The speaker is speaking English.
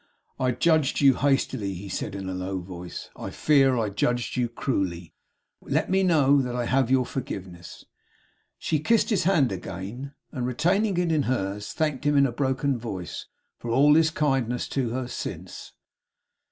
'I judged you hastily,' he said, in a low voice. 'I fear I judged you cruelly. Let me know that I have your forgiveness.' She kissed his hand again; and retaining it in hers, thanked him in a broken voice, for all his kindness to her since.